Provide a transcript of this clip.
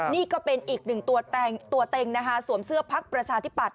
นี่ก็เป็นอีกหนึ่งตัวเต็งนะคะสวมเสื้อพักประชาธิปัตย